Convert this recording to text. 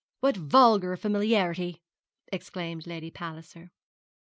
What vulgar familiarity!' exclaimed Lady Palliser.